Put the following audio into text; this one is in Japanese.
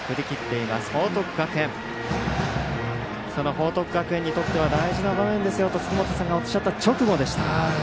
報徳学園にとっては大事な場面ですよと杉本さんがおっしゃった直後でした。